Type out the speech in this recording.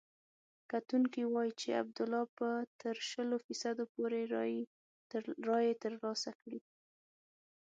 کتونکي وايي چې عبدالله به تر شلو فیصدو پورې رایې ترلاسه کړي.